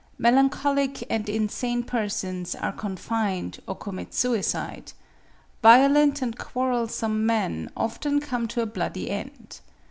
Melancholic and insane persons are confined, or commit suicide. Violent and quarrelsome men often come to a bloody end.